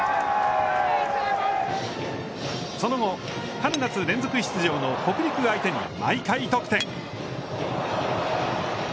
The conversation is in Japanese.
その後、春夏連続出場の北陸相手に毎回得点。